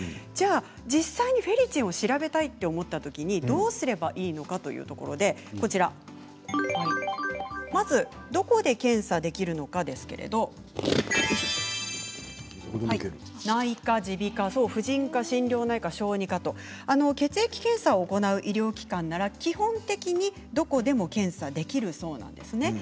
実際にフェリチンを調べたいと思ったときにどうすればいいのかどこで検査できるのかですが内科、耳鼻科、婦人科心療内科、小児科と血液検査を行う医療機関なら基本的にどこでも検査できるそうなんです。